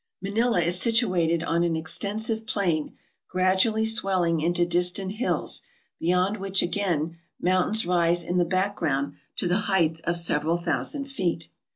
Manila is situated on an extensive plain, gradually swell ing into distant hills, beyond which, again, mountains rise in the background to the height of several thousand feet.